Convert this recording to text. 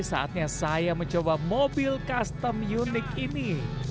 saatnya saya mencoba mobil custom unik ini